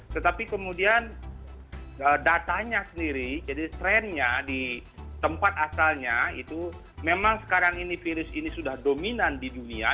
tetapi kemudian datanya sendiri jadi trennya di tempat asalnya itu memang sekarang ini virus ini sudah dominan di dunia